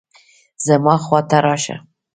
زما خوا ته راشه